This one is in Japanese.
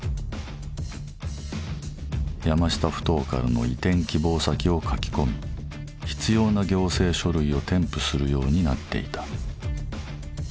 山下ふ頭からの移転希望先を書き込み必要な行政書類を添付するようになっていた。